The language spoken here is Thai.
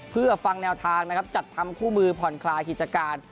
เพื่อฟังแนวทางนะครับจัดทำคู่มือผ่อนคลายกิจการ